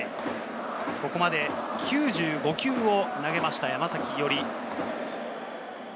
ここまで９５球を投げました、山崎伊織。